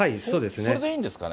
そうですね。